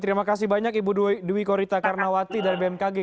terima kasih banyak ibu dwi korita karnawati dari bmkg